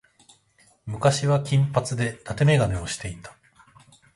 昔は金髪で伊達眼鏡をしていた。